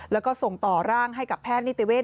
แล้วก็ส่งต่อร่างให้กับแพทย์นิติเวท